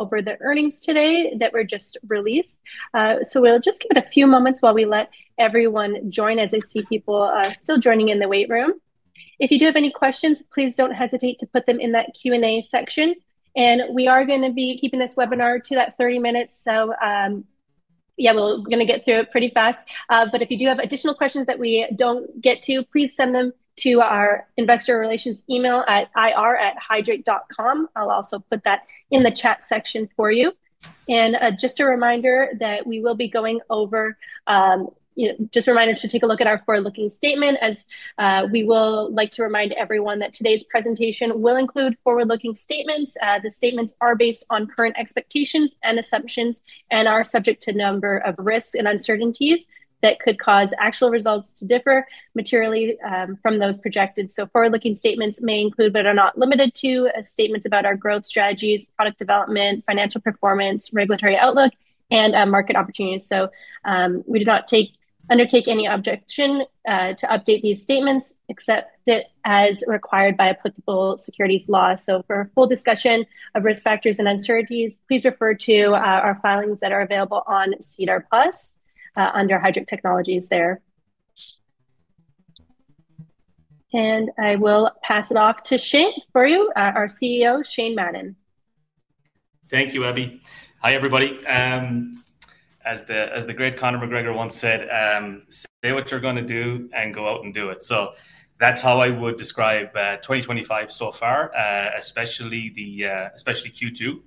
Over the earnings today that were just released. We'll just give it a few moments while we let everyone join as I see people still joining in the wait room. If you do have any questions, please don't hesitate to put them in that Q&A section. We are going to be keeping this webinar to that 30 minutes. We're going to get through it pretty fast. If you do have additional questions that we don't get to, please send them to our investor relations email at ir@hydreight.com. I'll also put that in the chat section for you. Just a reminder to take a look at our forward-looking statement as we would like to remind everyone that today's presentation will include forward-looking statements. The statements are based on current expectations and assumptions and are subject to a number of risks and uncertainties that could cause actual results to differ materially from those projected. Forward-looking statements may include, but are not limited to, statements about our growth strategies, product development, financial performance, regulatory outlook, and market opportunities. We do not undertake any obligation to update these statements except as required by applicable securities law. For a full discussion of risk factors and uncertainties, please refer to our filings that are available on SEDAR Plus under Hydreight Technologies there. I will pass it off to Shane for you, our CEO, Shane Madden. Thank you, Abbey. Hi, everybody. As the great Conor McGregor once said, say what you're going to do and go out and do it. That's how I would describe 2025 so far, especially Q2.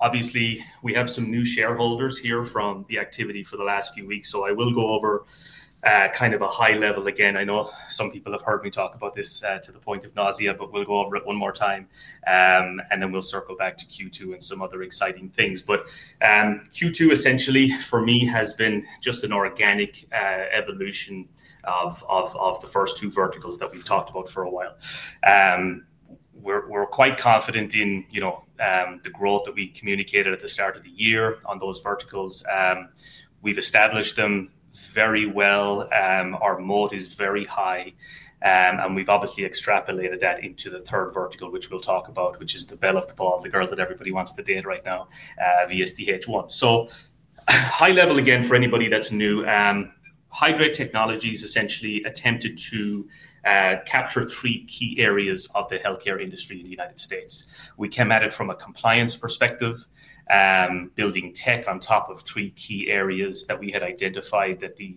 Obviously, we have some new shareholders here from the activity for the last few weeks. I will go over kind of a high level again. I know some people have heard me talk about this to the point of nausea, but we'll go over it one more time. Then we'll circle back to Q2 and some other exciting things. Q2 essentially for me has been just an organic evolution of the first two verticals that we've talked about for a while. We're quite confident in the growth that we communicated at the start of the year on those verticals. We've established them very well. Our moat is very high. We've obviously extrapolated that into the third vertical, which we'll talk about, which is the bell of the ball, the girl that everybody wants to date right now, VSDHOne. High level again for anybody that's new, Hydreight Technologies Inc. essentially attempted to capture three key areas of the healthcare industry in the U.S. We came at it from a compliance perspective, building tech on top of three key areas that we had identified that the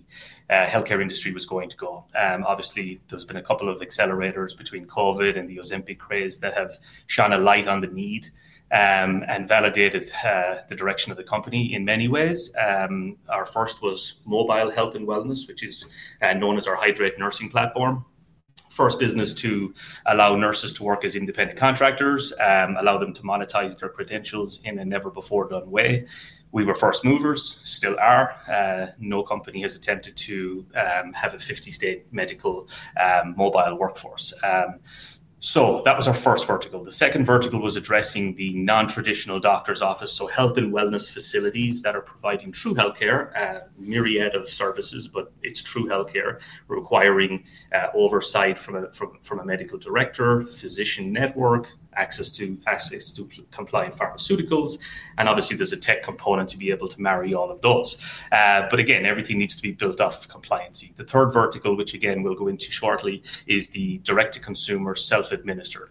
healthcare industry was going to go. Obviously, there's been a couple of accelerators between COVID-19 and the Ozempic craze that have shone a light on the need and validated the direction of the company in many ways. Our first was mobile health and wellness, which is known as our Hydreight nursing platform. First business to allow nurses to work as independent contractors, allow them to monetize their credentials in a never-before-done way. We were first movers, still are. No company has attempted to have a 50-state medical mobile workforce. That was our first vertical. The second vertical was addressing the non-traditional doctor's office, so health and wellness facilities that are providing true healthcare, a myriad of services, but it's true healthcare requiring oversight from a medical director, physician network, access to compliant pharmaceuticals. There's a tech component to be able to marry all of those. Everything needs to be built off compliancy. The third vertical, which we'll go into shortly, is the direct-to-consumer self-administered.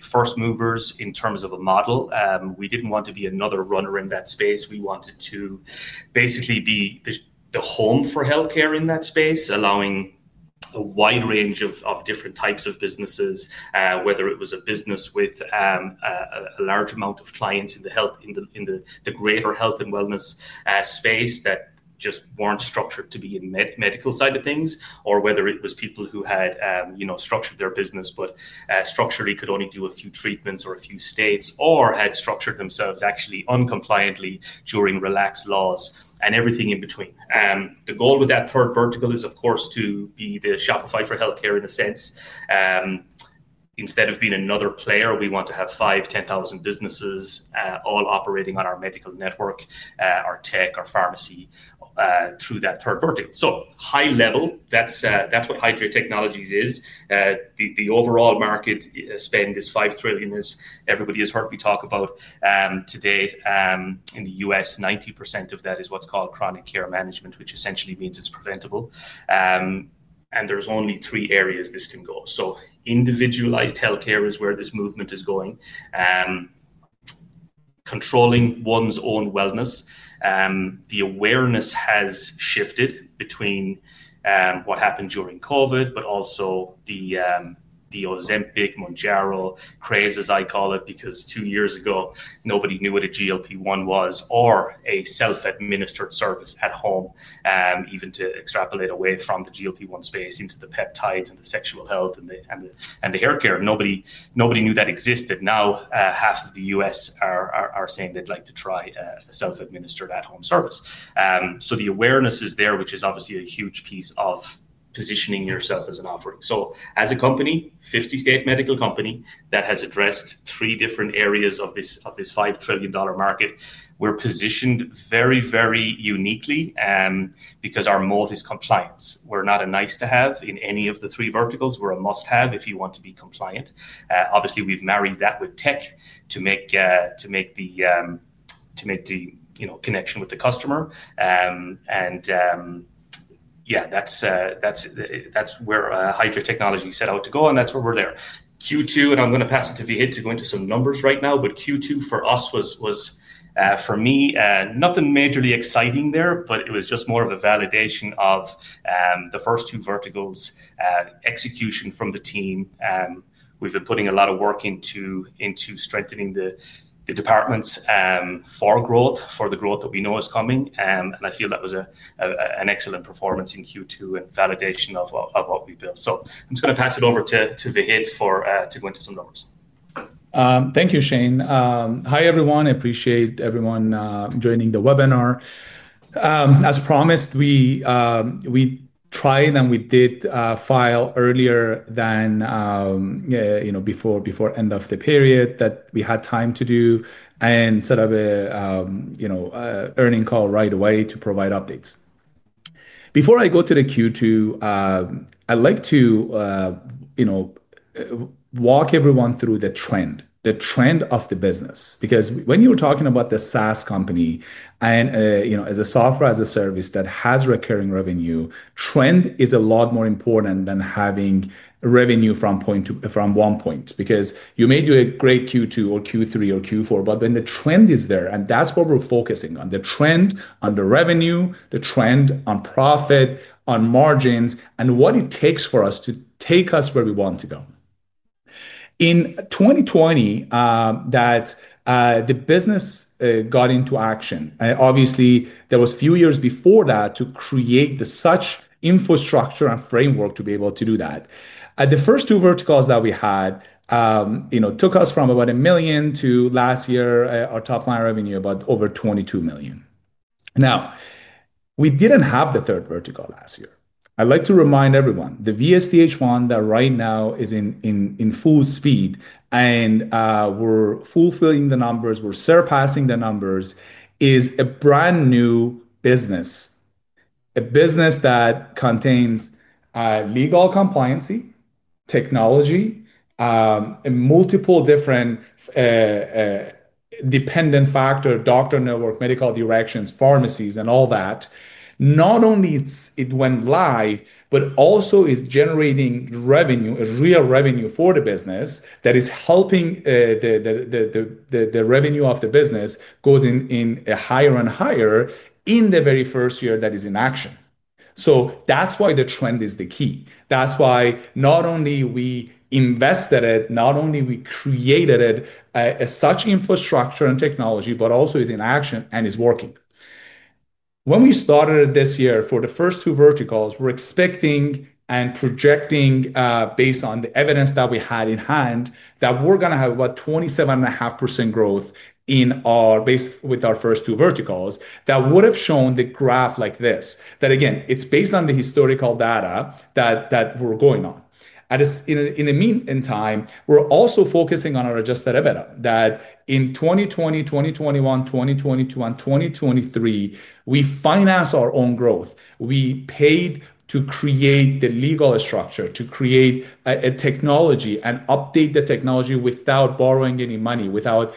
First movers in terms of a model. We didn't want to be another runner in that space. We wanted to basically be the home for healthcare in that space, allowing a wide range of different types of businesses, whether it was a business with a large amount of clients in the greater health and wellness space that just weren't structured to be in the medical side of things, or whether it was people who had structured their business but structurally could only do a few treatments or a few states or had structured themselves actually uncompliantly during relaxed laws and everything in between. The goal with that third vertical is, of course, to be the Shopify for healthcare in a sense. Instead of being another player, we want to have 5,000, 10,000 businesses all operating on our medical network, our tech, our pharmacy through that third vertical. At a high level, that's what Hydreight Technologies Inc. is. The overall market spend is $5 trillion, as everybody has heard me talk about. Today, in the U.S., 90% of that is what's called chronic care management, which essentially means it's preventable. There are only three areas this can go. Individualized healthcare is where this movement is going, controlling one's own wellness. The awareness has shifted between what happened during COVID-19, but also the Ozempic, Mounjaro craze, as I call it, because two years ago, nobody knew what a GLP-1 was or a self-administered service at home, even to extrapolate away from the GLP-1 space into the peptides and the sexual health and the hair care. Nobody knew that existed. Now, half of the U.S. are saying they'd like to try a self-administered at-home service. The awareness is there, which is obviously a huge piece of positioning yourself as an offering. As a company, a 50-state medical company that has addressed three different areas of this $5 trillion market, we're positioned very, very uniquely because our mold is compliance. We're not a nice-to-have in any of the three verticals. We're a must-have if you want to be compliant. Obviously, we've married that with tech to make the connection with the customer. That's where Hydreight Technologies Inc. set out to go, and that's where we are. Q2, and I'm going to pass it to VH to go into some numbers right now, but Q2 for us was, for me, nothing majorly exciting there, but it was just more of a validation of the first two verticals, execution from the team. We've been putting a lot of work into strengthening the departments for growth, for the growth that we know is coming. I feel that was an excellent performance in Q2 and validation of what we've built. I'm just going to pass it over to VH to go into some numbers. Thank you, Shane. Hi, everyone. I appreciate everyone joining the webinar. As promised, we tried and we did file earlier than before end of the period that we had time to do and set up an earnings call right away to provide updates. Before I go to the Q2, I'd like to walk everyone through the trend, the trend of the business. Because when you're talking about the SaaS company and as a software as a service that has recurring revenue, trend is a lot more important than having revenue from one point. You may do a great Q2 or Q3 or Q4, but when the trend is there, and that's what we're focusing on, the trend on the revenue, the trend on profit, on margins, and what it takes for us to take us where we want to go. In 2020, the business got into action. Obviously, there were a few years before that to create such infrastructure and framework to be able to do that. The first two verticals that we had took us from about $1 million to last year, our top line revenue about over $22 million. We didn't have the third vertical last year. I'd like to remind everyone, the VSDHOne that right now is in full speed and we're fulfilling the numbers, we're surpassing the numbers, is a brand new business. A business that contains legal compliancy, technology, and multiple different dependent factors, doctor network, medical directions, pharmacies, and all that. Not only it went live, but also is generating revenue, a real revenue for the business that is helping the revenue of the business go in higher and higher in the very first year that is in action. That's why the trend is the key. That's why not only we invested it, not only we created such infrastructure and technology, but also is in action and is working. When we started this year for the first two verticals, we're expecting and projecting based on the evidence that we had in hand that we're going to have about 27.5% growth in our base with our first two verticals that would have shown the graph like this. That again, it's based on the historical data that we're going on. In the meantime, we're also focusing on our adjusted EBITDA that in 2020, 2021, 2022, and 2023, we financed our own growth. We paid to create the legal structure, to create a technology and update the technology without borrowing any money, without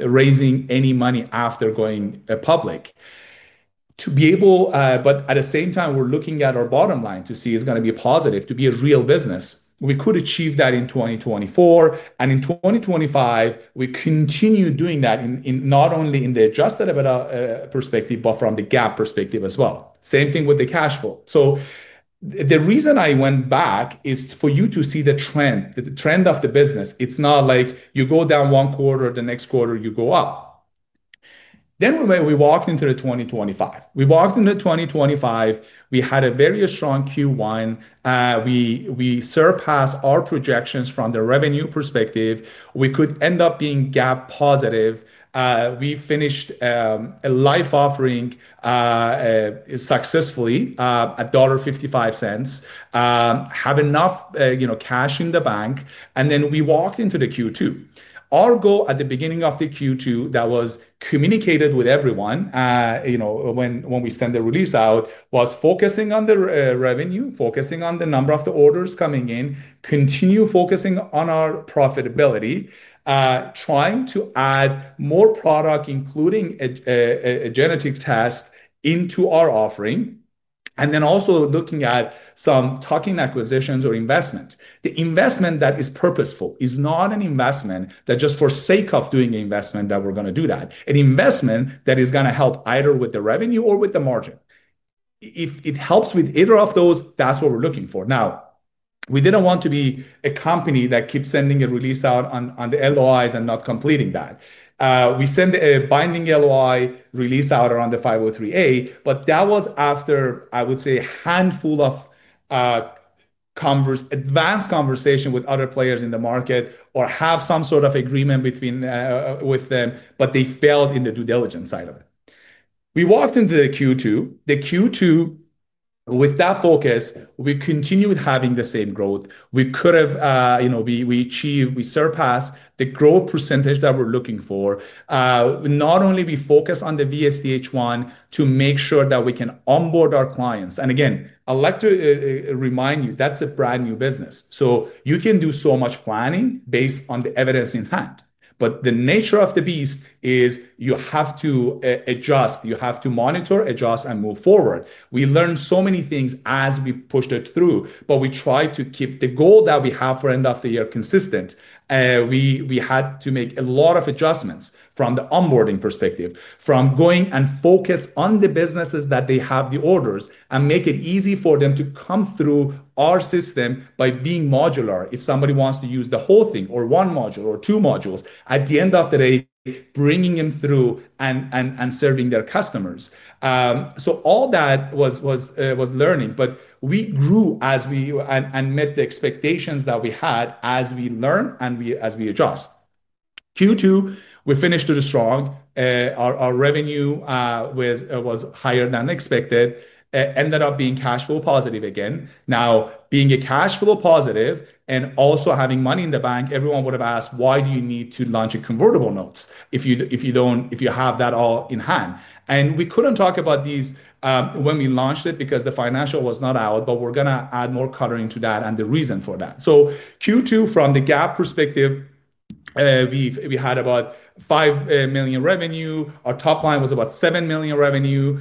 raising any money after going public. At the same time, we're looking at our bottom line to see it's going to be positive, to be a real business. We could achieve that in 2024. In 2025, we continue doing that not only from the adjusted EBITDA perspective, but from the GAAP perspective as well. Same thing with the cash flow. The reason I went back is for you to see the trend, the trend of the business. It's not like you go down one quarter, the next quarter you go up. We walked into 2025. We had a very strong Q1. We surpassed our projections from the revenue perspective. We could end up being GAAP positive. We finished a live offering successfully at $1.55, have enough cash in the bank. We walked into Q2. Our goal at the beginning of Q2 that was communicated with everyone when we sent the release out was focusing on the revenue, focusing on the number of the orders coming in, continue focusing on our profitability, trying to add more product, including a genetic test into our offering, and also looking at some talking acquisitions or investment. The investment that is purposeful is not an investment just for the sake of doing an investment that we're going to do. An investment that is going to help either with the revenue or with the margin. If it helps with either of those, that's what we're looking for. We didn't want to be a company that keeps sending a release out on the LOIs and not completing that. We sent a binding LOI release out around the 503A, but that was after, I would say, a handful of advanced conversations with other players in the market or have some sort of agreement with them, but they failed in the due diligence side of it. We walked into Q2. Q2, with that focus, we continued having the same growth. We could have, you know, we achieved, we surpassed the growth % that we're looking for. Not only did we focus on the VSDHOne to make sure that we can onboard our clients. Again, I'd like to remind you, that's a brand new business. You can do so much planning based on the evidence in hand. The nature of the beast is you have to adjust. You have to monitor, adjust, and move forward. We learned so many things as we pushed it through, but we tried to keep the goal that we have for end of the year consistent. We had to make a lot of adjustments from the onboarding perspective, from going and focusing on the businesses that have the orders and make it easy for them to come through our system by being modular. If somebody wants to use the whole thing or one module or two modules, at the end of the day, bringing them through and serving their customers. All that was learning, but we grew as we met the expectations that we had as we learned and as we adjusted. Q2, we finished it strong. Our revenue was higher than expected. It ended up being cash flow positive again. Now, being cash flow positive and also having money in the bank, everyone would have asked, why do you need to launch a convertible note if you have that all in hand? We couldn't talk about these when we launched it because the financial was not out, but we're going to add more coloring to that and the reason for that. Q2, from the GAAP perspective, we had about $5 million revenue. Our top line was about $7 million revenue.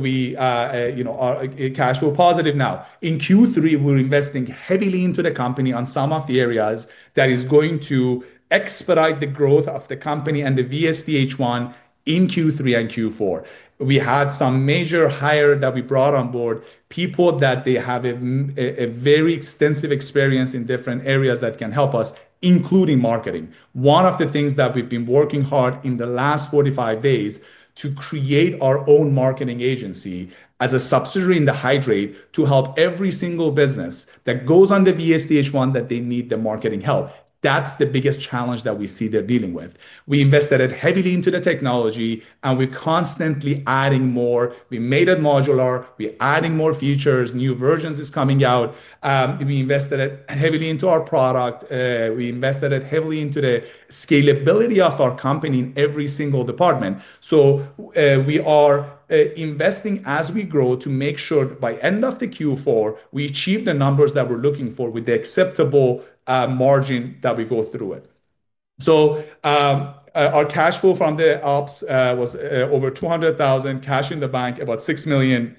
We are cash flow positive now. In Q3, we're investing heavily into the company on some of the areas that are going to expedite the growth of the company and the VSTHOne in Q3 and Q4. We had some major hires that we brought on board, people that have a very extensive experience in different areas that can help us, including marketing. One of the things that we've been working hard on in the last 45 days is to create our own marketing agency as a subsidiary in Hydreight to help every single business that goes on the VSTHOne that they need the marketing help. That's the biggest challenge that we see they're dealing with. We invested heavily into the technology, and we're constantly adding more. We made it modular. We're adding more features. New versions are coming out. We invested heavily into our product. We invested heavily into the scalability of our company in every single department. We are investing as we grow to make sure by the end of Q4, we achieve the numbers that we're looking for with the acceptable margin that we go through it. Our cash flow from the ops was over $200,000, cash in the bank about $6 million.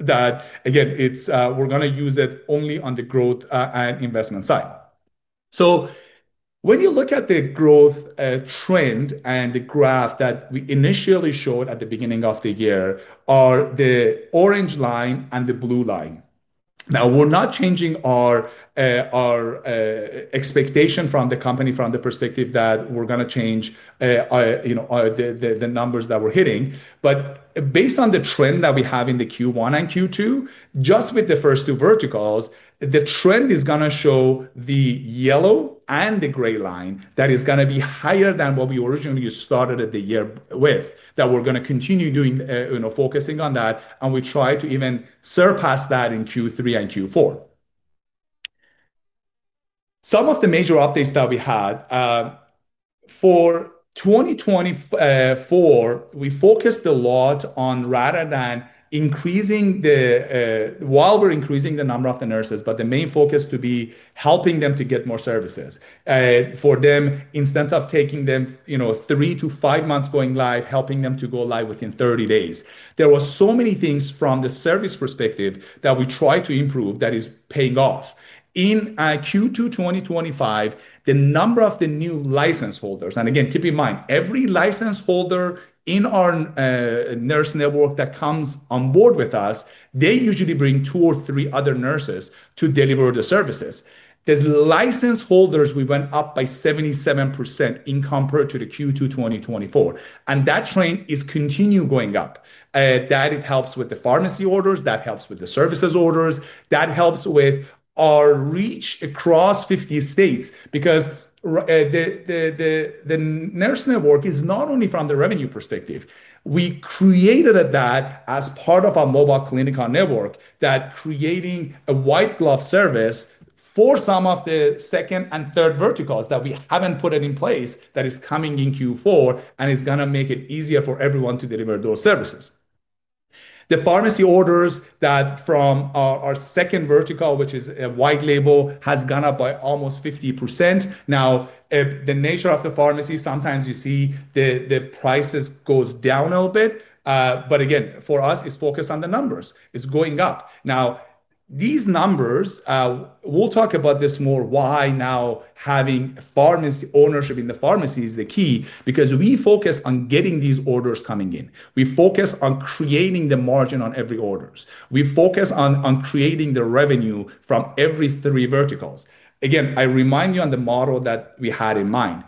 We're going to use it only on the growth and investment side. When you look at the growth trend and the graph that we initially showed at the beginning of the year, are the orange line and the blue line. We're not changing our expectation from the company from the perspective that we're going to change the numbers that we're hitting. Based on the trend that we have in Q1 and Q2, just with the first two verticals, the trend is going to show the yellow and the gray line that is going to be higher than what we originally started the year with. We're going to continue doing, focusing on that. We try to even surpass that in Q3 and Q4. Some of the major updates that we had for 2024, we focused a lot on rather than increasing the, while we're increasing the number of the nurses, but the main focus to be helping them to get more services. For them, instead of taking them three to five months going live, helping them to go live within 30 days. There were so many things from the service perspective that we tried to improve that are paying off. In Q2 2025, the number of the new license holders, and again, keep in mind, every license holder in our nurse network that comes on board with us, they usually bring two or three other nurses to deliver the services. The license holders, we went up by 77% in comparison to Q2 2024. That trend continues going up. That helps with the pharmacy orders, that helps with the services orders, that helps with our reach across 50 states because the nurse network is not only from the revenue perspective. We created that as part of our mobile clinical network that is creating a white glove service for some of the second and third verticals that we haven't put in place that are coming in Q4 and are going to make it easier for everyone to deliver those services. The pharmacy orders that from our second vertical, which is a white label, have gone up by almost 50%. Now, the nature of the pharmacy, sometimes you see the prices go down a little bit. For us, it's focused on the numbers. It's going up. These numbers, we'll talk about this more, why now having pharmacy ownership in the pharmacy is the key because we focus on getting these orders coming in. We focus on creating the margin on every order. We focus on creating the revenue from every three verticals. Again, I remind you on the model that we had in mind.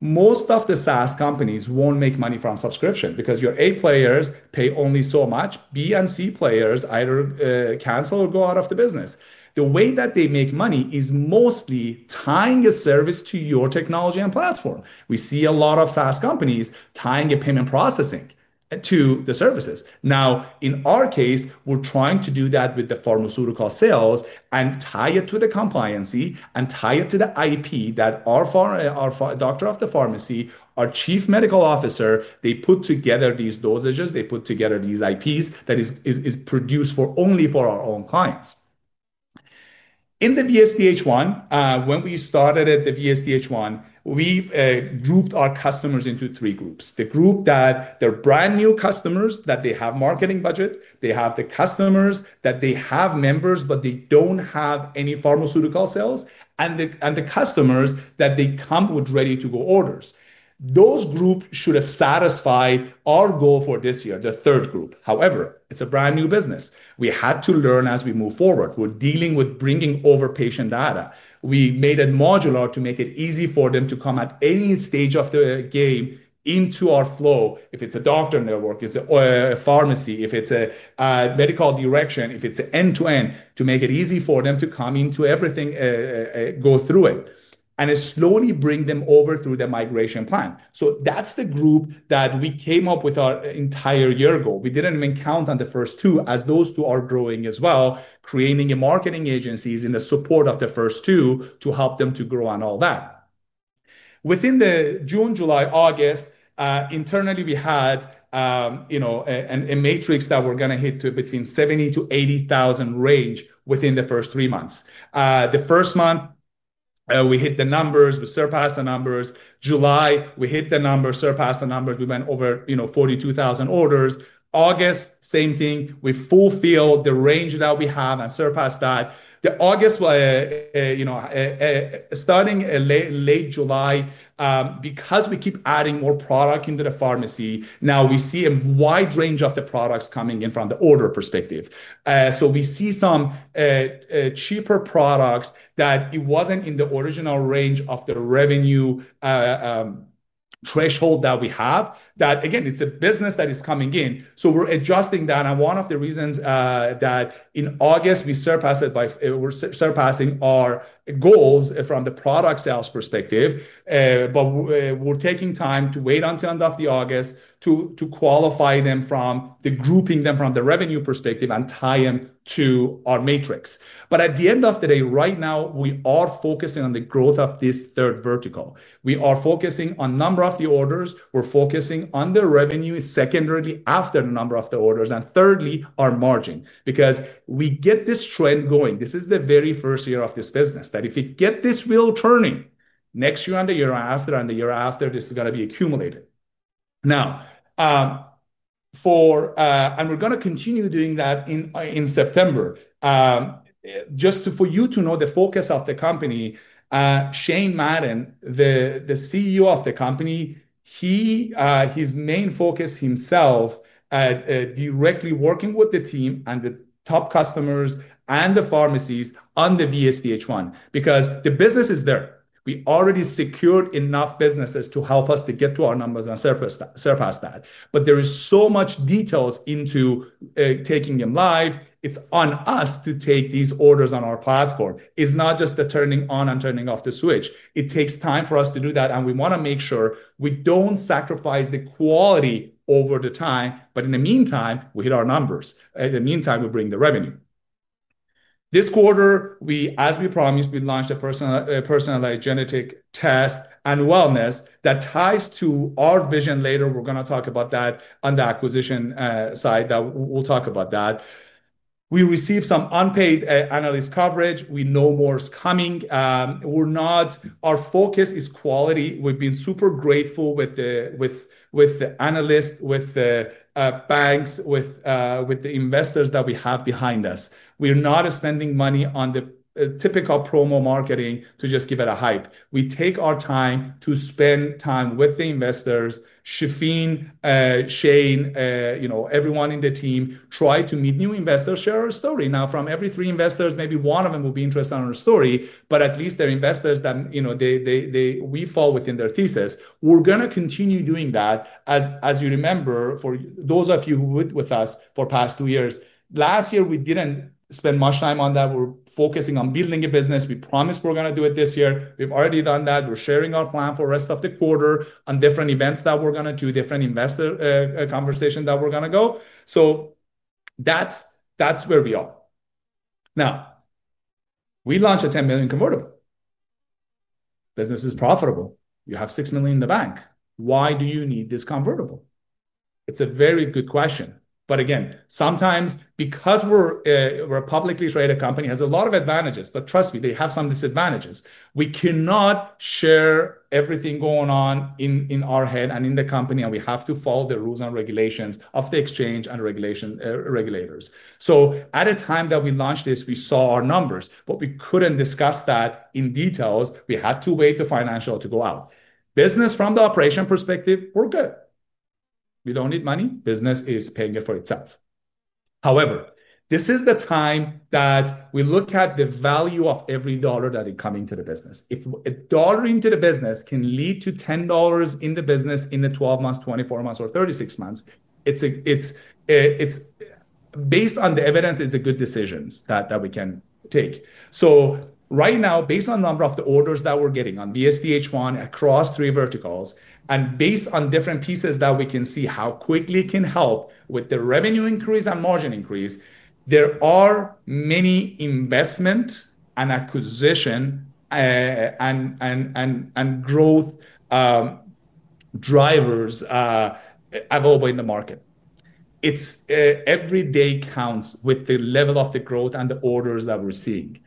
Most of the SaaS companies won't make money from subscription because your A players pay only so much. B and C players either cancel or go out of the business. The way that they make money is mostly tying a service to your technology and platform. We see a lot of SaaS companies tying a payment processing to the services. Now, in our case, we're trying to do that with the pharmaceutical sales and tie it to the compliancy and tie it to the IP that our Doctor of Pharmacy, our Chief Medical Officer, they put together these dosages, they put together these IPs that are produced only for our own clients. In the VSDHOne platform, when we started at the VSDHOne platform, we grouped our customers into three groups. The group that they're brand new customers, that they have marketing budget, they have the customers that they have members, but they don't have any pharmaceutical sales, and the customers that they come with ready-to-go orders. Those groups should have satisfied our goal for this year, the third group. However, it's a brand new business. We had to learn as we move forward. We're dealing with bringing over patient data. We made it modular to make it easy for them to come at any stage of the game into our flow. If it's a doctor network, it's a pharmacy, if it's a medical direction, if it's an end-to-end, to make it easy for them to come into everything and go through it. It slowly brings them over through the migration plan. That's the group that we came up with our entire year ago. We didn't even count on the first two, as those two are growing as well, creating marketing agencies in the support of the first two to help them to grow on all that. Within June, July, August, internally, we had a matrix that we're going to hit between $70,000-$80,000 range within the first three months. The first month, we hit the numbers, we surpassed the numbers. July, we hit the numbers, surpassed the numbers, we went over 42,000 orders. August, same thing, we fulfilled the range that we have and surpassed that. August, starting late July, because we keep adding more product into the pharmacy, now we see a wide range of the products coming in from the order perspective. We see some cheaper products that it wasn't in the original range of the revenue threshold that we have. That again, it's a business that is coming in. We're adjusting that. One of the reasons that in August we surpassed it by, we're surpassing our goals from the product sales perspective. We're taking time to wait until the end of August to qualify them from the grouping them from the revenue perspective and tie them to our matrix. At the end of the day, right now, we are focusing on the growth of this third vertical. We are focusing on the number of the orders. We're focusing on the revenue secondarily after the number of the orders, and thirdly, our margin. Because we get this trend going, this is the very first year of this business. If we get this wheel turning next year and the year after, and the year after, this is going to be accumulated. We're going to continue doing that in September. Just for you to know the focus of the company, Shane Madden, the CEO of the company, his main focus himself is directly working with the team and the top customers and the pharmacies on the VSTHOne platform because the business is there. We already secured enough businesses to help us to get to our numbers and surpass that. There is so much detail into taking them live. It's on us to take these orders on our platform. It's not just the turning on and turning off the switch. It takes time for us to do that, and we want to make sure we don't sacrifice the quality over the time. In the meantime, we hit our numbers. In the meantime, we bring the revenue. This quarter, as we promised, we launched a personalized genetic test and wellness that ties to our vision. Later, we're going to talk about that on the acquisition side. We'll talk about that. We received some unpaid analyst coverage. We know more is coming. Our focus is quality. We've been super grateful with the analysts, with the banks, with the investors that we have behind us. We're not spending money on the typical promo marketing to just give it a hype. We take our time to spend time with the investors, Shafin, Shane, everyone in the team, try to meet new investors, share our story. From every three investors, maybe one of them will be interested in our story, but at least they're investors that we fall within their thesis. We're going to continue doing that. As you remember, for those of you who went with us for the past two years, last year we didn't spend much time on that. We're focusing on building a business. We promised we're going to do it this year. We've already done that. We're sharing our plan for the rest of the quarter on different events that we're going to do, different investor conversations that we're going to go. That's where we are. We launched a $10 million convertible. Business is profitable. You have $6 million in the bank. Why do you need this convertible? It's a very good question. Sometimes because we're a publicly traded company, it has a lot of advantages. Trust me, they have some disadvantages. We cannot share everything going on in our head and in the company, and we have to follow the rules and regulations of the exchange and regulators. At a time that we launched this, we saw our numbers, but we couldn't discuss that in detail. We had to wait for the financials to go out. Business from the operation perspective, we're good. We don't need money. Business is paying for itself. However, this is the time that we look at the value of every dollar that is coming to the business. If a dollar into the business can lead to $10 in the business in 12 months, 24 months, or 36 months, it's based on the evidence. It's a good decision that we can take. Right now, based on the number of the orders that we're getting on VSDHOne across three verticals, and based on different pieces that we can see how quickly it can help with the revenue increase and margin increase, there are many investment and acquisition and growth drivers available in the market. Every day counts with the level of the growth and the orders that we're seeing.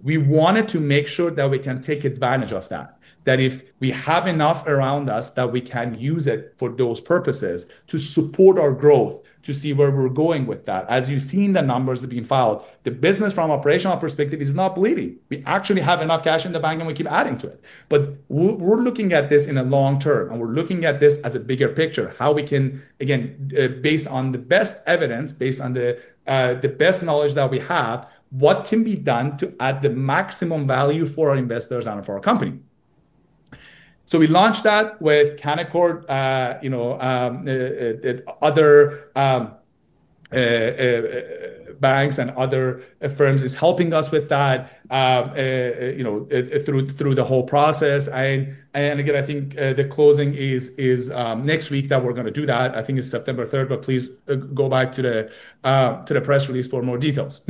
We wanted to make sure that we can take advantage of that. If we have enough around us, we can use it for those purposes to support our growth, to see where we're going with that. As you've seen the numbers that have been filed, the business from an operational perspective is not bleeding. We actually have enough cash in the bank and we keep adding to it. We're looking at this in the long term. We're looking at this as a bigger picture, how we can, again, based on the best evidence, based on the best knowledge that we have, what can be done to add the maximum value for our investors and for our company. We launched that with Canaccord. Other banks and other firms are helping us with that through the whole process. I think the closing is next week that we're going to do that. I think it's September 3rd, but please go back to the press release for more details.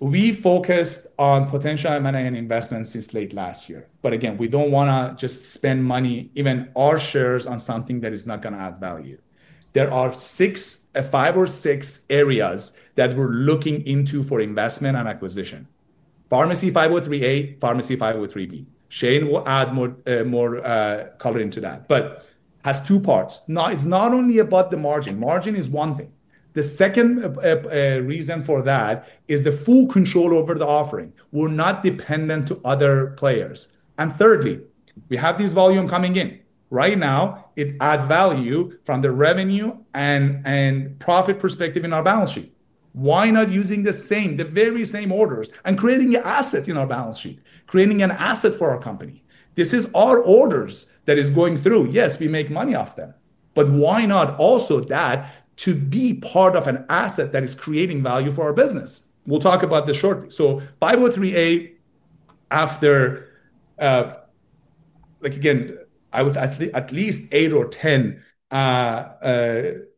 We focused on potential M&A and investments since late last year. We don't want to just spend money, even our shares on something that is not going to add value. There are five or six areas that we're looking into for investment and acquisition: pharmacy 503A, pharmacy 503B. Shane will add more color into that. It has two parts. It's not only about the margin. Margin is one thing. The second reason for that is the full control over the offering. We're not dependent on other players. Thirdly, we have this volume coming in. Right now, it adds value from the revenue and profit perspective in our balance sheet. Why not use the same, the very same orders and create assets in our balance sheet, creating an asset for our company? These are our orders that are going through. Yes, we make money off them. Why not also have that be part of an asset that is creating value for our business? We'll talk about this shortly. 503A, after at least eight or ten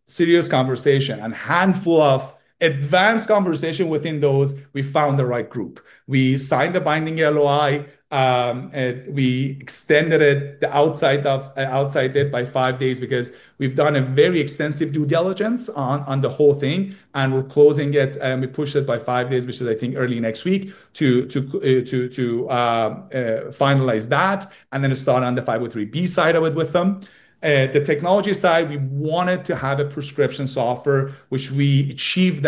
serious conversations and a handful of advanced conversations within those, we found the right group. We signed a binding LOI, and we extended it outside it by five days because we've done very extensive due diligence on the whole thing. We're closing it, and we pushed it by five days, which is, I think, early next week to finalize that. Then it's done on the 503B side of it with them. The technology side, we wanted to have a prescription software, which we achieved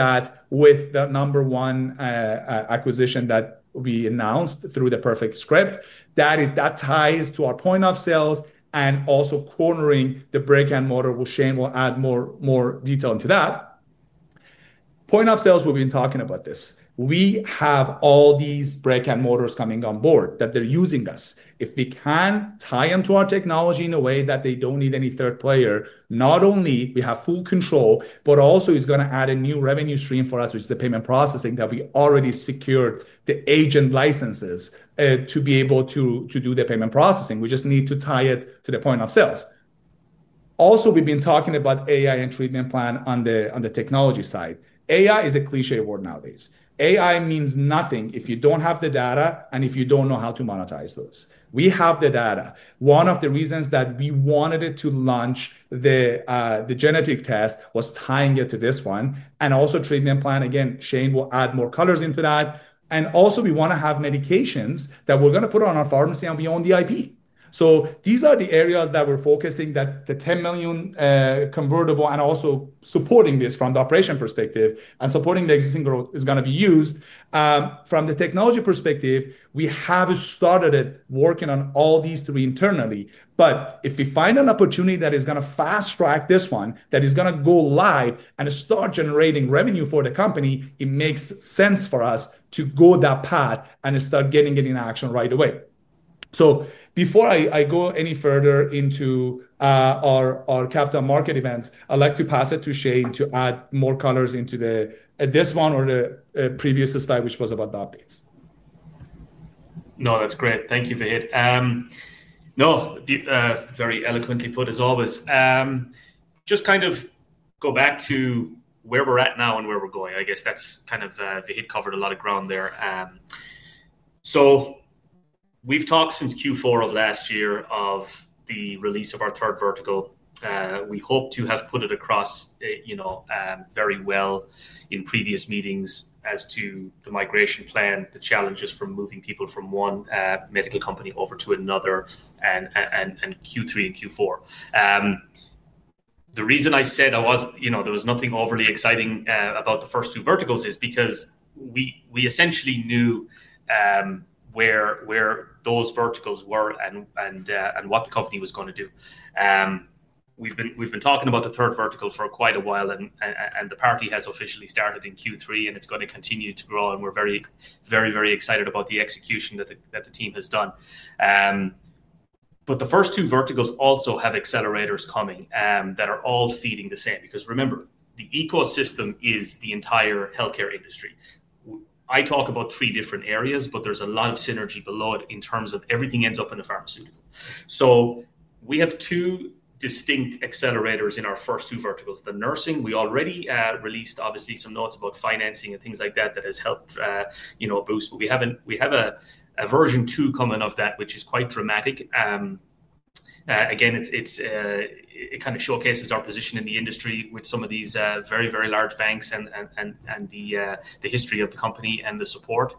with the number one acquisition that we announced through Perfect Scripts. That ties to our point of sales and also cornering the brick and mortar. Shane will add more detail to that. Point of sales, we've been talking about this. We have all these brick and mortars coming on board that are using us. If we can tie them to our technology in a way that they don't need any third player, not only do we have full control, but also it's going to add a new revenue stream for us, which is the payment processing that we already secured the agent licenses to be able to do the payment processing. We just need to tie it to the point of sales. We've been talking about AI and treatment plan on the technology side. AI is a cliché word nowadays. AI means nothing if you don't have the data and if you don't know how to monetize those. We have the data. One of the reasons that we wanted to launch the genetic test was tying it to this one. Also, treatment plan, Shane will add more color into that. We want to have medications that we're going to put on our pharmacy and be on the IP. These are the areas that we're focusing on, the $10 million convertible and also supporting this from the operation perspective and supporting the existing growth is going to be used. From the technology perspective, we have started working on all these three internally. If we find an opportunity that is going to fast track this one, that is going to go live and start generating revenue for the company, it makes sense for us to go that path and start getting it in action right away. Before I go any further into our capital market events, I'd like to pass it to Shane to add more colors into this one or the previous slide, which was about the updates. No, that's great. Thank you, Vahid. Very eloquently put, as always. Just kind of go back to where we're at now and where we're going. I guess Vahid covered a lot of ground there. We've talked since Q4 of last year about the release of our third vertical. We hope to have put it across very well in previous meetings as to the migration plan, the challenges from moving people from one medical company over to another in Q3 and Q4. The reason I said there was nothing overly exciting about the first two verticals is because we essentially knew where those verticals were and what the company was going to do. We've been talking about the third vertical for quite a while, and the party has officially started in Q3, and it's going to continue to grow. We're very, very, very excited about the execution that the team has done. The first two verticals also have accelerators coming that are all feeding the same. Remember, the ecosystem is the entire healthcare industry. I talk about three different areas, but there's a lot of synergy below it in terms of everything ends up in the pharmaceutical. We have two distinct accelerators in our first two verticals, the nursing. We already released, obviously, some notes about financing and things like that that have helped boost. We have a version two coming of that, which is quite dramatic. It kind of showcases our position in the industry with some of these very, very large banks and the history of the company and the support.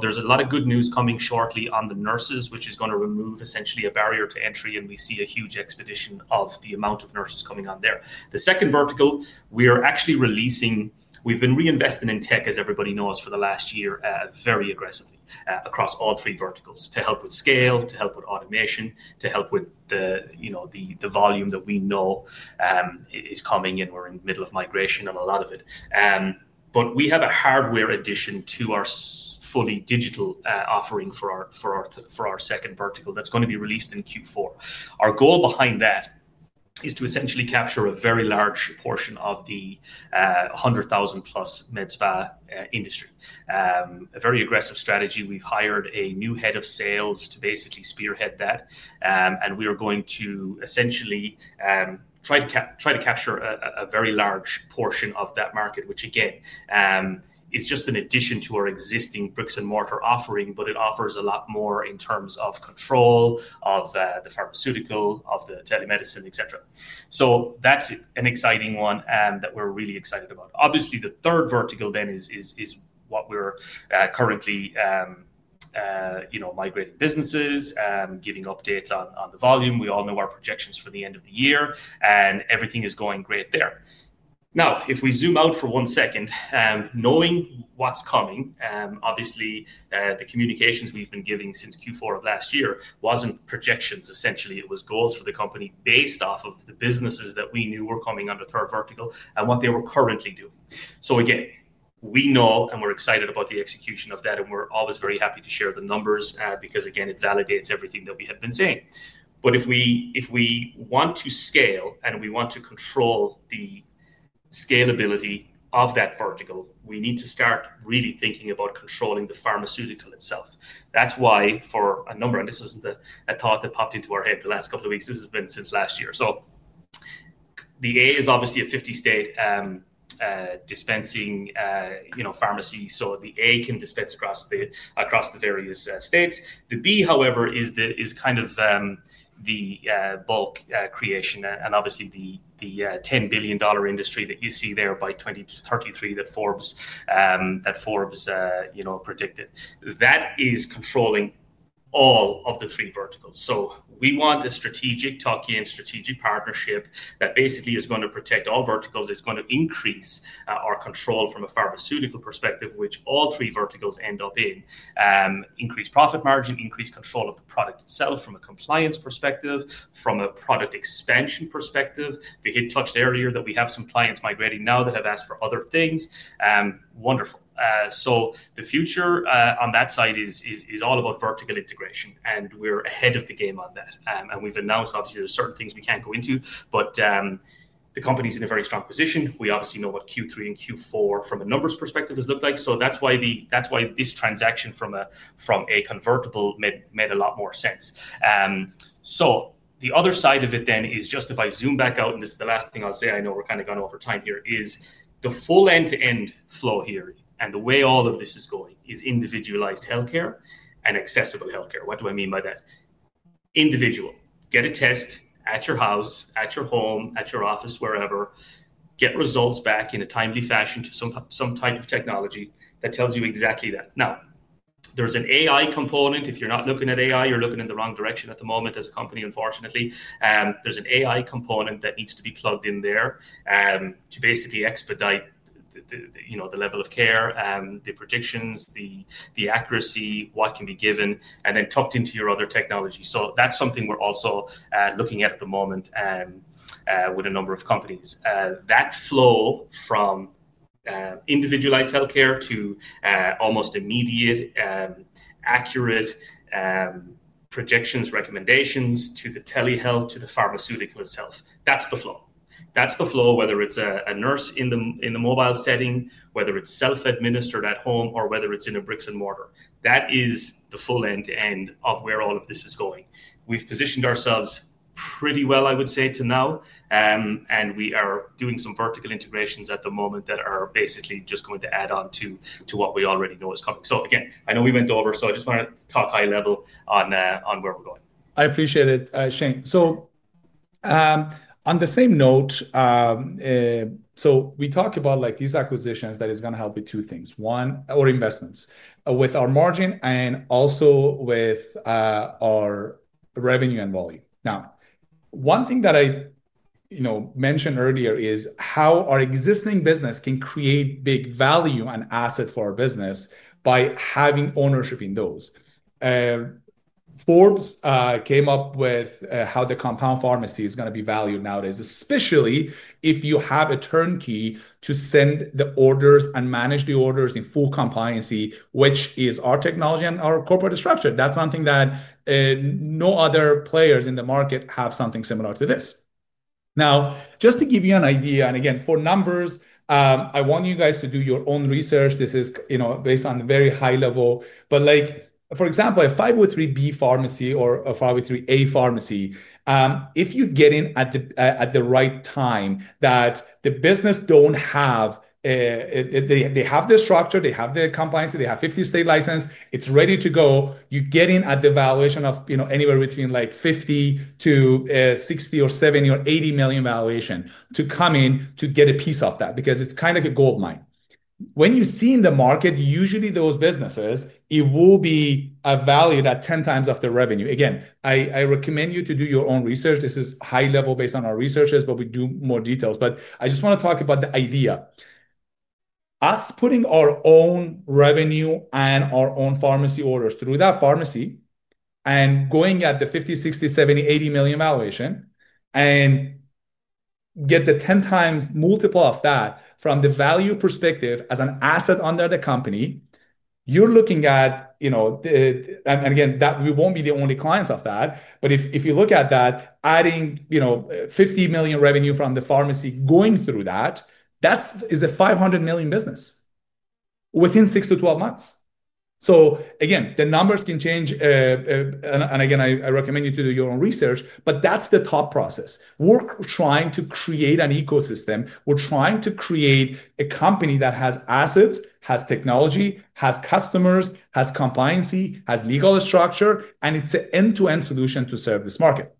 There's a lot of good news coming shortly on the nurses, which is going to remove essentially a barrier to entry, and we see a huge expedition of the amount of nurses coming on there. The second vertical, we're actually releasing, we've been reinvesting in tech, as everybody knows, for the last year very aggressively across all three verticals to help with scale, to help with automation, to help with the volume that we know is coming in. We're in the middle of migration on a lot of it. We have a hardware addition to our fully digital offering for our second vertical that's going to be released in Q4. Our goal behind that is to essentially capture a very large portion of the 100,000-plus med spa industry. A very aggressive strategy. We've hired a new Head of Sales to basically spearhead that. We are going to essentially try to capture a very large portion of that market, which again is just an addition to our existing bricks and mortar offering, but it offers a lot more in terms of control of the pharmaceutical, of the telemedicine, et cetera. That is an exciting one that we're really excited about. Obviously, the third vertical then is what we're currently migrating businesses, giving updates on the volume. We all know our projections for the end of the year, and everything is going great there. If we zoom out for one second, knowing what's coming, obviously, the communications we've been giving since Q4 of last year weren't projections. Essentially, it was goals for the company based off of the businesses that we knew were coming on the third vertical and what they were currently doing. We know and we're excited about the execution of that, and we're always very happy to share the numbers because it validates everything that we had been saying. If we want to scale and we want to control the scalability of that vertical, we need to start really thinking about controlling the pharmaceutical itself. That's why for a number, and this wasn't a thought that popped into our head the last couple of weeks. This has been since last year. The A is obviously a 50-state dispensing pharmacy. The A can dispense across the various states. The B, however, is kind of the bulk creation and obviously the $10 billion industry that you see there by 2033 that Forbes predicted. That is controlling all of the three verticals. We want a strategic talking and strategic partnership that basically is going to protect all verticals. It's going to increase our control from a pharmaceutical perspective, which all three verticals end up in, increase profit margin, increase control of the product itself from a compliance perspective, from a product expansion perspective. Vahid touched earlier that we have some clients migrating now that have asked for other things. Wonderful. The future on that side is all about vertical integration, and we're ahead of the game on that. We've announced, obviously, there are certain things we can't go into, but the company is in a very strong position. We obviously know what Q3 and Q4 from a numbers perspective has looked like. That's why this transaction from a convertible made a lot more sense. The other side of it then is just if I zoom back out, and this is the last thing I'll say. I know we're kind of going over time here. The full end-to-end flow here and the way all of this is going is individualized healthcare and accessible healthcare. What do I mean by that? Individual. Get a test at your house, at your home, at your office, wherever. Get results back in a timely fashion to some type of technology that tells you exactly that. Now, there's an AI component. If you're not looking at AI, you're looking in the wrong direction at the moment as a company, unfortunately. There's an AI component that needs to be plugged in there to basically expedite the level of care, the predictions, the accuracy, what can be given, and then tucked into your other technology. That's something we're also looking at at the moment with a number of companies. That flow from individualized healthcare to almost immediate accurate predictions, recommendations to the telehealth to the pharmaceutical itself, that's the flow. That's the flow, whether it's a nurse in the mobile setting, whether it's self-administered at home, or whether it's in a bricks and mortar. That is the full end-to-end of where all of this is going. We've positioned ourselves pretty well, I would say, to now. We are doing some vertical integrations at the moment that are basically just going to add on to what we already know is coming. Again, I know we went over, so I just want to talk high level on where we're going. I appreciate it, Shane. On the same note, we talk about these acquisitions that are going to help with two things: one, our investments with our margin, and also with our revenue and volume. One thing that I mentioned earlier is how our existing business can create big value and assets for our business by having ownership in those. Forbes came up with how the compound pharmacy is going to be valued nowadays, especially if you have a turnkey to send the orders and manage the orders in full compliancy, which is our technology and our corporate structure. That's something that no other players in the market have something similar to. Just to give you an idea, and again, for numbers, I want you guys to do your own research. This is based on a very high level. For example, a 503B pharmacy or a 503A pharmacy, if you get in at the right time, the business has the structure, they have the compliance, they have 50-state license, it's ready to go. You get in at the valuation of anywhere between $50 million to $60 million or $70 million or $80 million valuation to come in to get a piece of that because it's kind of like a gold mine. When you see in the market, usually those businesses will be valued at 10 times the revenue. I recommend you to do your own research. This is high level based on our researches, but we do more details. I just want to talk about the idea. Us putting our own revenue and our own pharmacy orders through that pharmacy and going at the $50 million, $60 million, $70 million, $80 million valuation and get the 10 times multiple of that from the value perspective as an asset under the company, you're looking at, you know, we won't be the only clients of that. If you look at that, adding $50 million revenue from the pharmacy going through that, that is a $500 million business within 6 to 12 months. The numbers can change. I recommend you to do your own research, but that's the thought process. We're trying to create an ecosystem. We're trying to create a company that has assets, has technology, has customers, has compliancy, has legal structure, and it's an end-to-end solution to serve this market.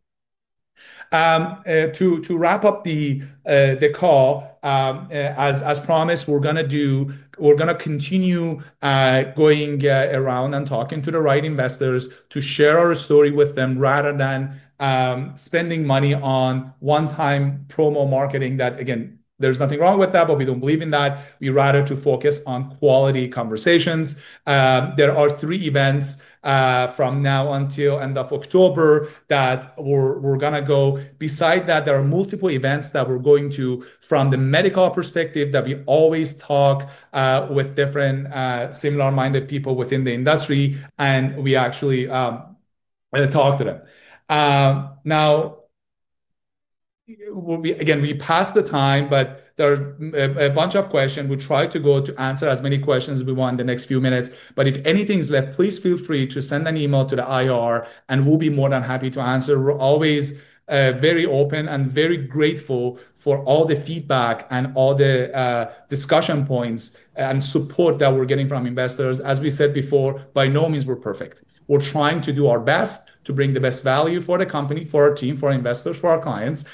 To wrap up the call, as promised, we're going to continue going around and talking to the right investors to share our story with them rather than spending money on one-time promo marketing. There's nothing wrong with that, but we don't believe in that. We'd rather focus on quality conversations. There are three events from now until the end of October that we're going to go. Besides that, there are multiple events that we're going to from the medical perspective that we always talk with different similar-minded people within the industry, and we actually talk to them. Now, again, we passed the time, but there are a bunch of questions. We try to go to answer as many questions as we want in the next few minutes. If anything's left, please feel free to send an email to the IR, and we'll be more than happy to answer. We're always very open and very grateful for all the feedback and all the discussion points and support that we're getting from investors. As we said before, by no means we're perfect. We're trying to do our best to bring the best value for the company, for our team, for our investors, for our clients.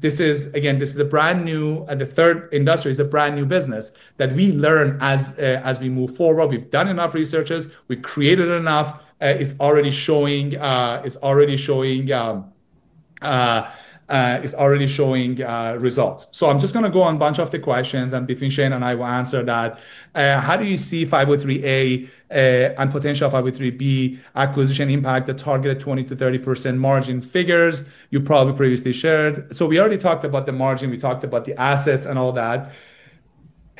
This is, again, this is a brand new, the third industry is a brand new business that we learn as we move forward. We've done enough researches. We created enough. It's already showing results. I'm just going to go on a bunch of the questions, and between Shane and I, we'll answer that. How do you see 503A and potential 503B acquisition impact the targeted 20 to 30% margin figures you probably previously shared? We already talked about the margin. We talked about the assets and all that.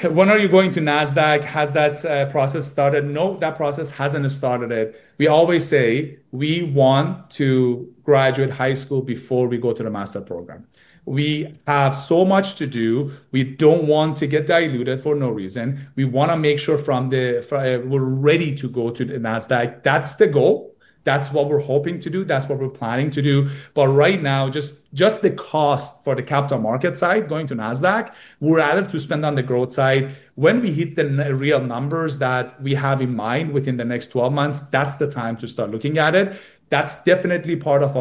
When are you going to NASDAQ? Has that process started? No, that process hasn't started yet. We always say we want to graduate high school before we go to the master program. We have so much to do. We don't want to get diluted for no reason. We want to make sure we're ready to go to the NASDAQ. That's the goal. That's what we're hoping to do. That's what we're planning to do. Right now, just the cost for the capital market side going to NASDAQ, we'd rather spend on the growth side. When we hit the real numbers that we have in mind within the next 12 months, that's the time to start looking at it. That's definitely part of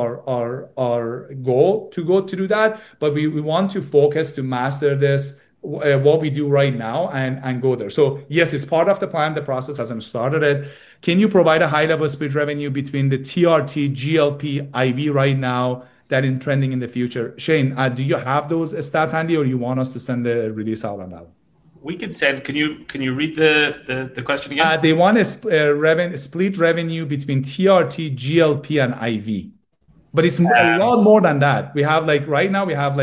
our goal to go to do that. We want to focus to master this, what we do right now, and go there. Yes, it's part of the plan. The process hasn't started yet. Can you provide a high-level split revenue between the TRT, GLP, IV right now that is trending in the future? Shane, do you have those stats handy, or do you want us to send the release out on that? Can you read the question again? They want a split revenue between testosterone replacement therapy, GLP, and IV. It's a lot more than that. Right now, we have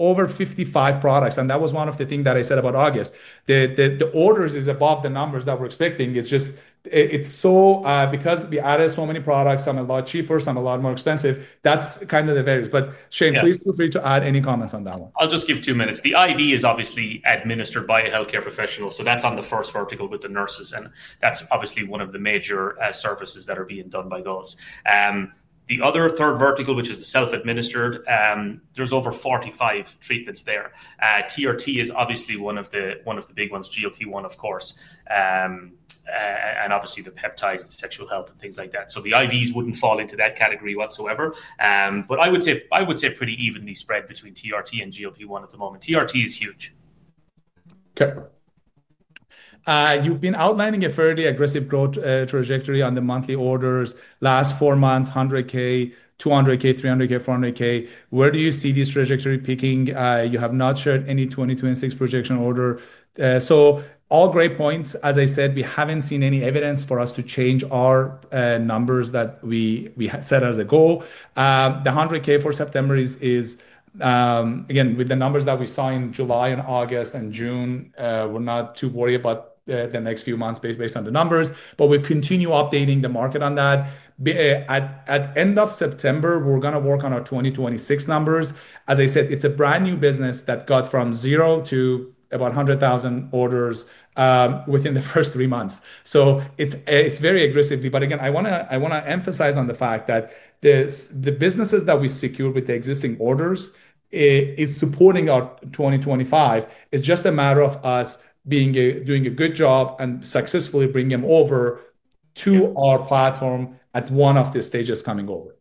over 55 products. That was one of the things I said about August. The orders are above the numbers that we're expecting. It's just because we added so many products. Some are a lot cheaper, some are a lot more expensive. That's the variance. Shane, please feel free to add any comments on that one. I'll just give two minutes. The IV is obviously administered by a healthcare professional. That's on the first vertical with the nurses, and that's obviously one of the major services that are being done by those. The other third vertical, which is the self-administered, there's over 45 treatments there. TRT is obviously one of the big ones, GLP-1, of course. Obviously, the peptides, the sexual health, and things like that. The IVs wouldn't fall into that category whatsoever. I would say pretty evenly spread between TRT and GLP-1 at the moment. TRT is huge. Okay. You've been outlining a fairly aggressive growth trajectory on the monthly orders. Last four months, $100,000, $200,000, $300,000, $400,000. Where do you see this trajectory peaking? You have not shared any 2026 projection order. All great points. As I said, we haven't seen any evidence for us to change our numbers that we set as a goal. The $100,000 for September is, again, with the numbers that we saw in July and August and June, we're not too worried about the next few months based on the numbers. We'll continue updating the market on that. At the end of September, we're going to work on our 2026 numbers. As I said, it's a brand new business that got from zero to about $100,000 orders within the first three months. It's very aggressive. I want to emphasize the fact that the businesses that we secured with the existing orders are supporting our 2025. It's just a matter of us doing a good job and successfully bringing them over to our platform at one of the stages coming over.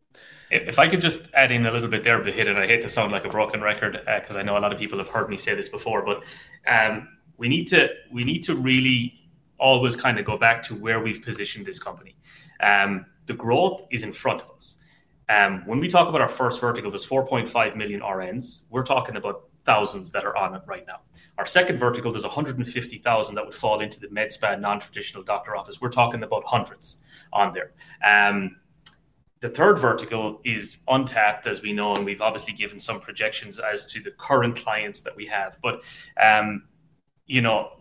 If I could just add in a little bit there, Vahid, I hate to sound like a broken record because I know a lot of people have heard me say this before, but we need to really always kind of go back to where we've positioned this company. The growth is in front of us. When we talk about our first vertical, there's 4.5 million RNs. We're talking about thousands that are on it right now. Our second vertical, there's 150,000 that would fall into the med spa, non-traditional doctor office. We're talking about hundreds on there. The third vertical is untapped, as we know, and we've obviously given some projections as to the current clients that we have.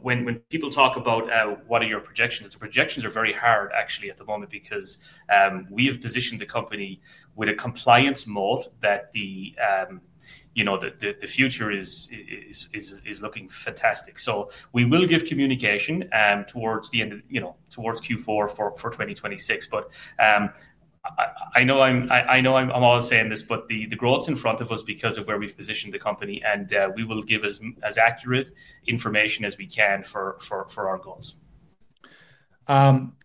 When people talk about what are your projections, the projections are very hard, actually, at the moment because we have positioned the company with a compliance mode that the future is looking fantastic. We will give communication towards Q4 for 2026. I know I'm always saying this, but the growth is in front of us because of where we've positioned the company. We will give as accurate information as we can for our goals.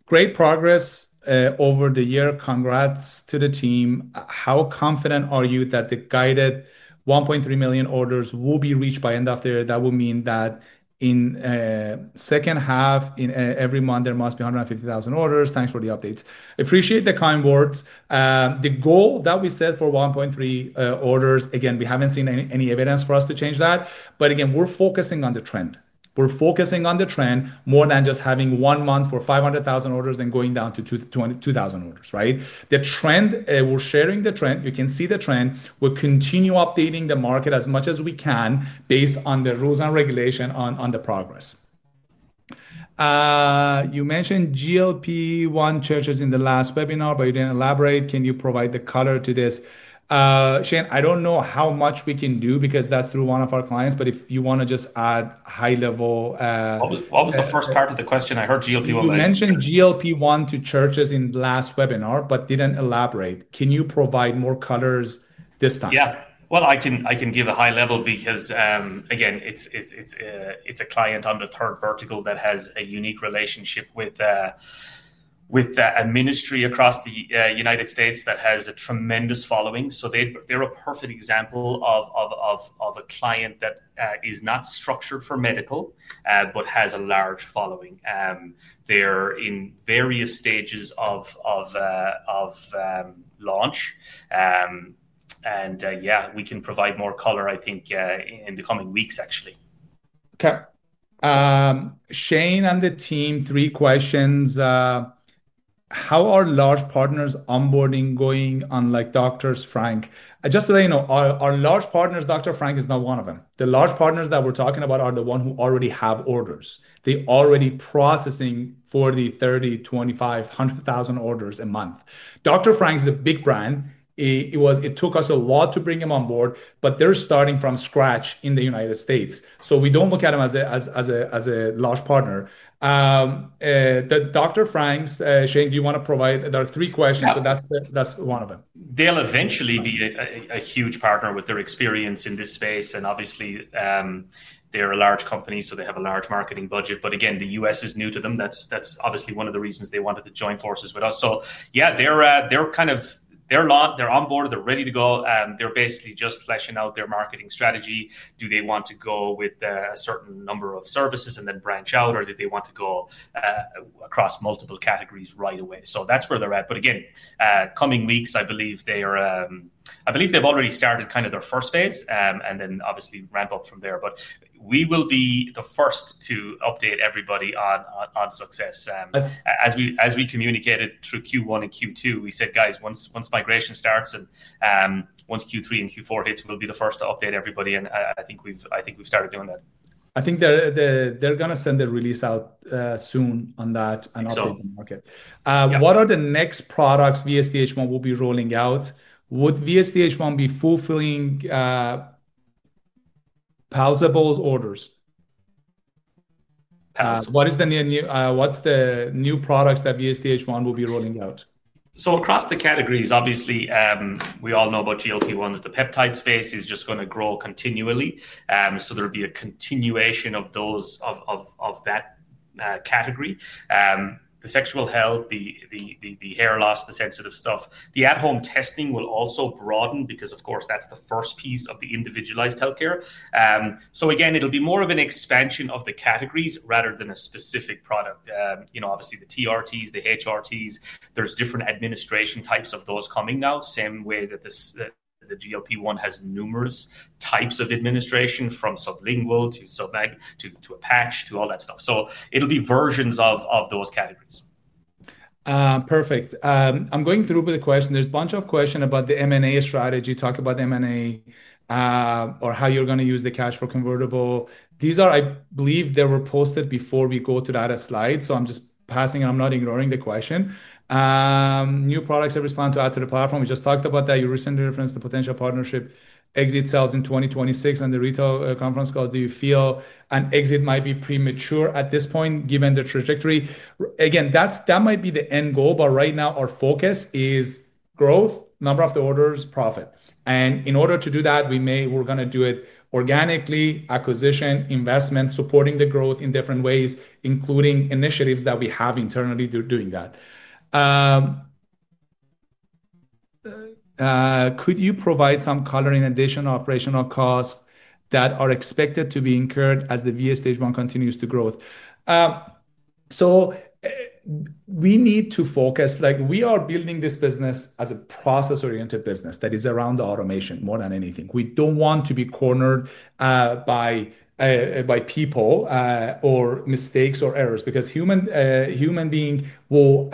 Great progress over the year. Congrats to the team. How confident are you that the guided 1.3 million orders will be reached by the end of the year? That will mean that in the second half, every month, there must be 150,000 orders. Thanks for the updates. I appreciate the kind words. The goal that we set for 1.3 million orders, again, we haven't seen any evidence for us to change that. Again, we're focusing on the trend. We're focusing on the trend more than just having one month for 500,000 orders and going down to 2,000 orders, right? The trend, we're sharing the trend. You can see the trend. We'll continue updating the market as much as we can based on the rules and regulation on the progress. You mentioned GLP-1 churches in the last webinar, but you didn't elaborate. Can you provide the color to this? Shane, I don't know how much we can do because that's through one of our clients. If you want to just add a high level. What was the first part of the question? I heard GLP-1. You mentioned GLP-1 to churches in the last webinar, but didn't elaborate. Can you provide more color this time? I can give a high level because, again, it's a client on the third vertical that has a unique relationship with a ministry across the U.S. that has a tremendous following. They're a perfect example of a client that is not structured for medical but has a large following. They're in various stages of launch. We can provide more color, I think, in the coming weeks, actually. Okay. Shane and the team, three questions. How are large partners onboarding going on like Doctors Frank? Just to let you know, our large partners, Doctor Frank is not one of them. The large partners that we're talking about are the ones who already have orders. They're already processing 40,000, 30,000, 25,000, 100,000 orders a month. Doctor Frank is a big brand. It took us a lot to bring them on board, but they're starting from scratch in the U.S. We don't look at them as a large partner. The Doctor Franks, Shane, do you want to provide? There are three questions. That's one of them. They'll eventually be a huge partner with their experience in this space. Obviously, they're a large company, so they have a large marketing budget. The U.S. is new to them. That's one of the reasons they wanted to join forces with us. They're on board. They're ready to go. They're basically just fleshing out their marketing strategy. Do they want to go with a certain number of services and then branch out, or do they want to go across multiple categories right away? That's where they're at. In the coming weeks, I believe they've already started their first phase, and then ramp up from there. We will be the first to update everybody on success. As we communicated through Q1 and Q2, we said, guys, once migration starts and once Q3 and Q4 hit, we'll be the first to update everybody. I think we've started doing that. I think they're going to send the release out soon on that and update the market. What are the next products VSDHOne will be rolling out? Would VSDHOne be fulfilling palatable orders? What's the new products that VSDHOne will be rolling out? Across the categories, obviously, we all know about GLP-1s. The peptide space is just going to grow continually. There will be a continuation of that category. The sexual health, the hair loss, the sensitive stuff. The at-home testing will also broaden because, of course, that's the first piece of the individualized healthcare. It'll be more of an expansion of the categories rather than a specific product. Obviously, the TRTs, the HRTs, there's different administration types of those coming now. The same way that the GLP-1 has numerous types of administration from sublingual to patch to all that stuff. It'll be versions of those categories. Perfect. I'm going through with the question. There's a bunch of questions about the M&A strategy. Talk about the M&A or how you're going to use the cash for convertible. These are, I believe they were posted before we go to the other slide. I'm just passing it. I'm not ignoring the question. New products have responded to add to the platform. We just talked about that. You recently referenced the potential partnership exit sales in 2026 and the retail conference call. Do you feel an exit might be premature at this point given the trajectory? That might be the end goal, but right now our focus is growth, number of the orders, profit. In order to do that, we're going to do it organically, acquisition, investment, supporting the growth in different ways, including initiatives that we have internally doing that. Could you provide some color in additional operational costs that are expected to be incurred as the VSTHOne continues to grow? We need to focus. We are building this business as a process-oriented business that is around the automation more than anything. We don't want to be cornered by people or mistakes or errors because human beings will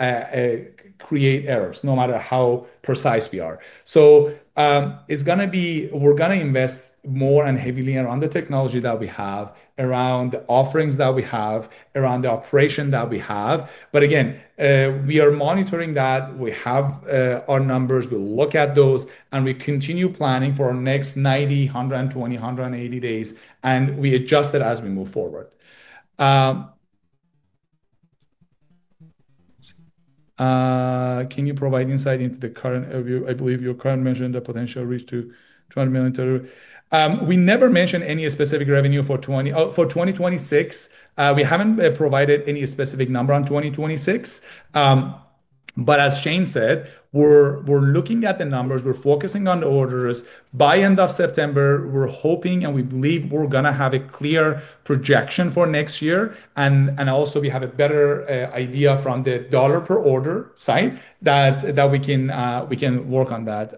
create errors no matter how precise we are. It's going to be, we're going to invest more and heavily around the technology that we have, around the offerings that we have, around the operation that we have. We are monitoring that. We have our numbers. We'll look at those, and we continue planning for our next 90, 120, 180 days, and we adjust it as we move forward. Can you provide insight into the current, I believe your current measure in the potential reach to $200 million? We never mentioned any specific revenue for 2026. We haven't provided any specific number on 2026. As Shane said, we're looking at the numbers. We're focusing on the orders. By the end of September, we're hoping and we believe we're going to have a clear projection for next year. We have a better idea from the dollar per order side that we can work on that.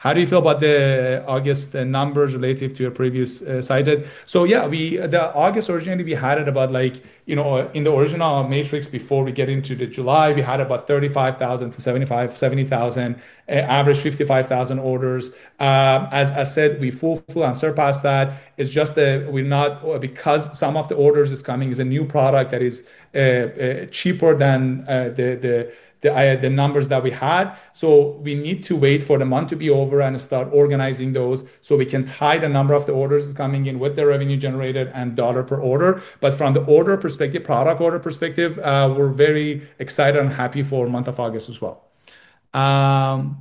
How do you feel about the August numbers relative to your previous cited? The August originally, we had it about like, you know, in the original matrix before we get into the July, we had about 35,000 to 75,000, 70,000, average 55,000 orders. As I said, we fully surpassed that. It's just that we're not because some of the orders are coming as a new product that is cheaper than the numbers that we had. We need to wait for the month to be over and start organizing those so we can tie the number of the orders coming in with the revenue generated and dollar per order. From the order perspective, product order perspective, we're very excited and happy for the month of August as well. Can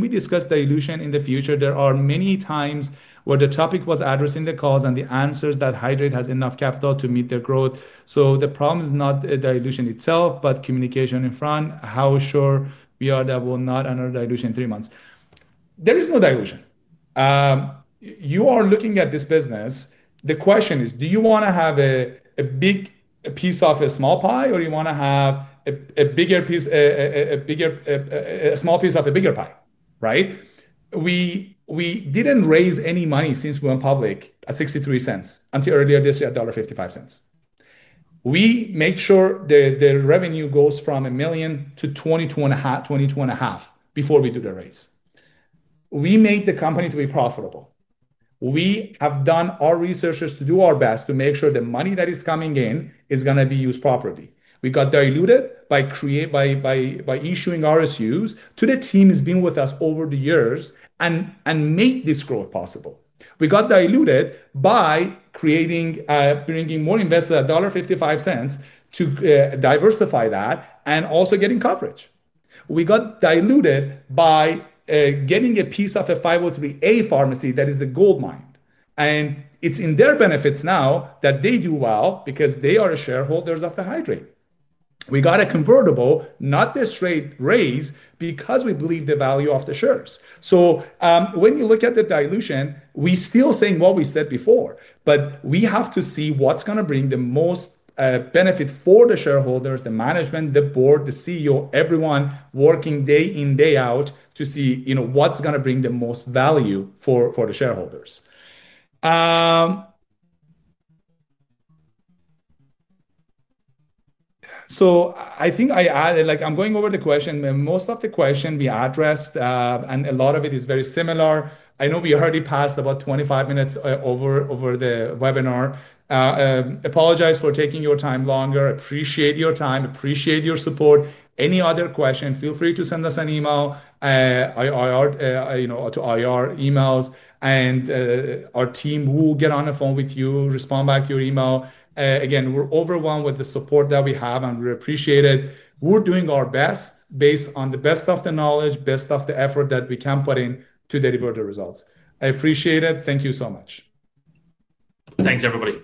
we discuss dilution in the future? There are many times where the topic was addressed in the calls and the answers that Hydreight has enough capital to meet the growth. The problem is not the dilution itself, but communication in front. How sure we are that we'll not enter dilution in three months? There is no dilution. You are looking at this business. The question is, do you want to have a big piece of a small pie, or do you want to have a small piece of a bigger pie, right? We didn't raise any money since we went public at $0.63 until earlier this year at $1.55. We make sure that the revenue goes from $1 million-$22.5 million before we do the raise. We made the company to be profitable. We have done our research to do our best to make sure the money that is coming in is going to be used properly. We got diluted by issuing RSUs to the team that's been with us over the years and made this growth possible. We got diluted by creating, bringing more investors at $1.55 to diversify that and also getting coverage. We got diluted by getting a piece of a 503A pharmacy that is a gold mine. It's in their benefits now that they do well because they are shareholders of Hydreight. We got a convertible, not the straight raise, because we believe the value of the shares. When you look at the dilution, we're still saying what we said before. We have to see what's going to bring the most benefit for the shareholders, the management, the board, the CEO, everyone working day in, day out to see what's going to bring the most value for the shareholders. I think I added, like I'm going over the question. Most of the questions we addressed, and a lot of it is very similar. I know we already passed about 25 minutes over the webinar. Apologize for taking your time longer. Appreciate your time. Appreciate your support. Any other questions, feel free to send us an email to IR emails, and our team will get on the phone with you, respond back to your email. Again, we're overwhelmed with the support that we have, and we appreciate it. We're doing our best based on the best of the knowledge, best of the effort that we can put in to deliver the results. I appreciate it. Thank you so much. Thanks, everybody.